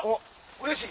うれしい！